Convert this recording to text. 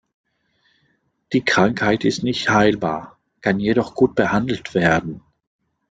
Die Krankheit ist nicht heilbar, kann jedoch gut behandelt werden.